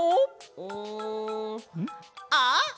うん。あっ！